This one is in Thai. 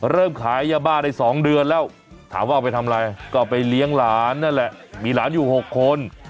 เริ่มขายยาบ้าได้๒เดือนแล้วถามว่าเอาไปทำอะไรก็ไปเลี้ยงหลานนั่นแหละมีหลานอยู่๖คน